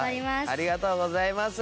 ありがとうございます。